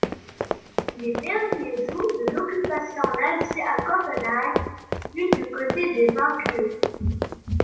Les derniers jours de l'occupation nazie à Copenhague, vus du côté des vaincus.